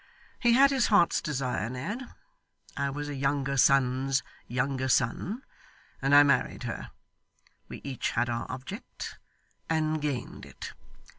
He had his heart's desire, Ned. I was a younger son's younger son, and I married her. We each had our object, and gained it.